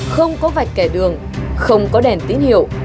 không có vạch kẻ đường không có đèn tín hiệu